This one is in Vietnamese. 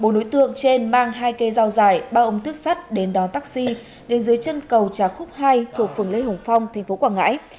bốn đối tượng trên mang hai cây dao dài ba ống tuyếp sắt đến đón taxi đến dưới chân cầu trà khúc hai thuộc phường lê hồng phong tp quảng ngãi